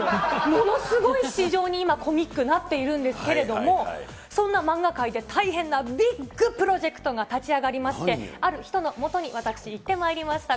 ものすごい市場に今、コミックなっているんですけれども、そんな漫画界で大変なビッグプロジェクトが立ち上がりまして、ある人のもとに私行ってまいりました。